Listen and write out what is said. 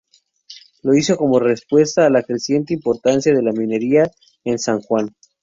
Lo hizo como respuesta a la creciente importancia de la minería en San Juan.